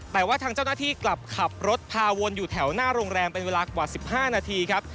แต่ว่าทางเจ้าหน้าที่กลับขับรถพาวนอยู่แถวหน้าโรงแรมเป็นเวลากว่า๑๕นาทีครับ